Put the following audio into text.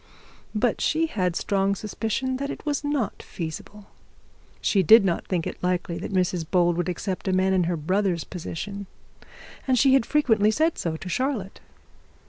But she had strong suspicion that it was not feasible. She did not think it likely that Mrs Bold would accept a man in her brother's position, and she had frequently said so to Charlotte.